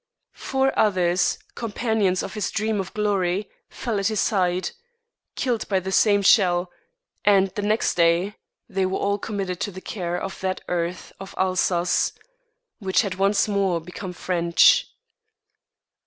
Four others, companions of his dream of glory, fell at his side, killed by the same shell, and the next day they were all committed to the care of that earth of Alsace which had once more become French.